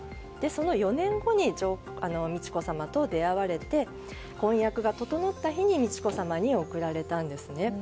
その４年後に美智子さまと出会われて婚約が整った日に美智子さまに贈られたんですね。